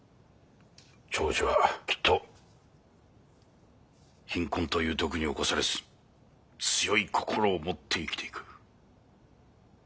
長次はきっと貧困という毒に侵されず強い心を持って生きていく。